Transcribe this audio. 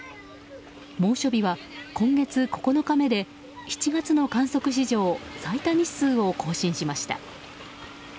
猛暑日は今月９日目で７月の観測史上最多日数を更新しました。